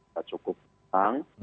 kata cukup tang